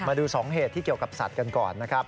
มาดู๒เหตุที่เกี่ยวกับสัตว์กันก่อนนะครับ